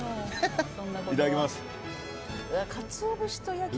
いただきます。